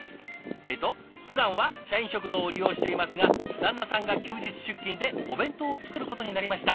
えっと「ふだんは社員食堂を利用していますが旦那さんが休日出勤でお弁当を作ることになりました。